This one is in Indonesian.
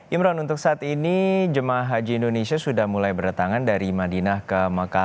imran untuk saat ini jemaah haji indonesia sudah mulai berdatangan dari madinah ke mekah